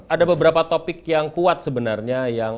ada beberapa topik yang kuat sebenarnya